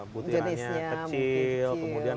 butirannya kecil kemudian